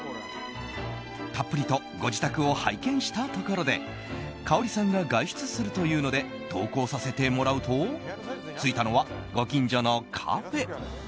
たっぷりとご自宅を拝見したところでかおりさんが外出するというので同行させてもらうと着いたのは、ご近所のカフェ。